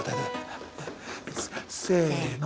せの。